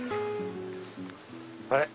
あれ？